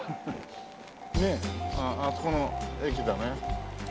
あああそこの駅だね。